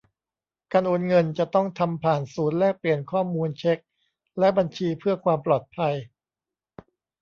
การโอนเงินจะต้องทำผ่านศูนย์แลกเปลี่ยนข้อมูลเช็กและบัญชีเพื่อความปลอดภัย